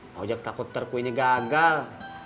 mak takut kue ini gagal